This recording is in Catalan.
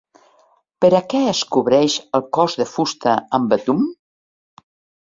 Per a què es cobreix el cos de fusta amb betum?